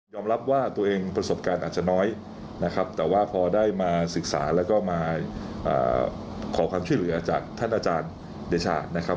รับว่าตัวเองประสบการณ์อาจจะน้อยนะครับแต่ว่าพอได้มาศึกษาแล้วก็มาขอความช่วยเหลือจากท่านอาจารย์เดชานะครับ